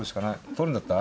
取るんだった？